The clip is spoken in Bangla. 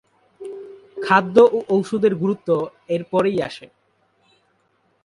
খাদ্য ও ঔষধের গুরুত্ব এর পরেই আসে।